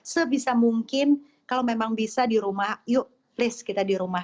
sebisa mungkin kalau memang bisa di rumah yuk please kita di rumah